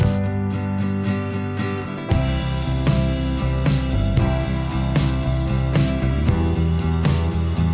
ังดดดหมอบกลับจากการช่วยงาน